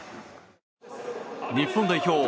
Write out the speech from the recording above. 日本代表